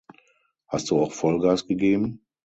Hast du auch Vollgas gegeben?